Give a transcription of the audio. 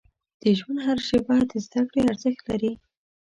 • د ژوند هره شیبه د زده کړې ارزښت لري.